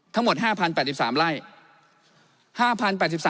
ทั้งหมด๕๐๘๓ไร่